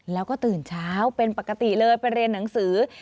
แล้วก็ตื่นเช้าเป็นปกติเลยไปเรียนหนังสือ